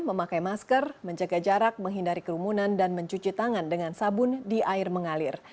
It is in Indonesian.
memakai masker menjaga jarak menghindari kerumunan dan mencuci tangan dengan sabun di air mengalir